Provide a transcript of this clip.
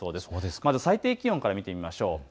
まず最低気温から見ていきましょう。